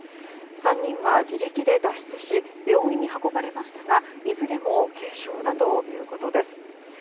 ３人は自力で脱出し病院に運ばれましたがいずれも軽傷だということです。